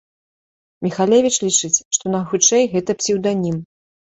Міхалевіч лічыць, што найхутчэй гэта псеўданім.